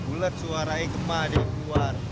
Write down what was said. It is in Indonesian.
bulat suaranya gemak deh keluar